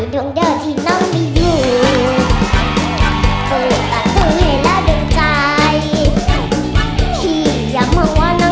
ดำก็ดำแต่กาย